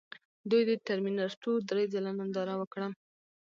دوی د ټرمینیټر ټو درې ځله ننداره وکړه